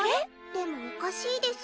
でもおかしいです。